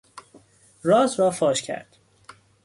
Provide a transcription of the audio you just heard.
راز را فاش کرد.